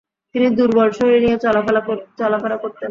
তিনি দূর্বল শরীর নিয়ে চলাফেরা করতেন।